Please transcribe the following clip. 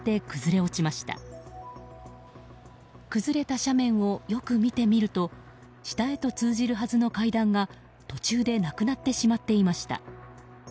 崩れた斜面をよく見てみると下へと通じるはずの階段が途中でなくなってしまっていました。